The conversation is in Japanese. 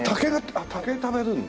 あっ竹食べるんだ。